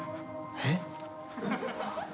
えっ。